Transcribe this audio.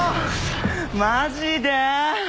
マジで？